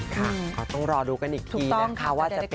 ขอต้องรอดูกันอีกทีนะถ้าว่าจะเป็นยังไง